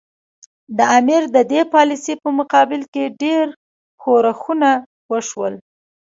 د امیر د دې پالیسي په مقابل کې ډېر ښورښونه وشول.